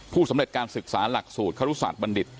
สำเร็จการศึกษาหลักสูตรครุศาสตบัณฑิต